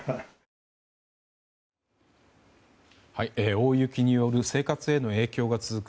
大雪による生活への影響が続く